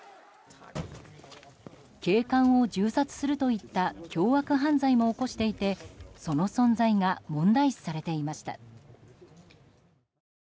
警官を銃殺するといった凶悪犯罪も起こしていてその存在が問題視されていました。